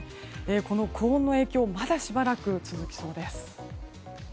この高温の影響、まだしばらく続きそうです。